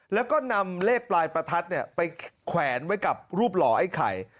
แล้วก็นำเลขปลายประทัดไปแขวนไว้กับรูปหล่อไอ้ไข่